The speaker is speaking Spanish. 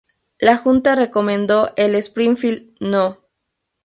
La junta recomendó el "Springfield No.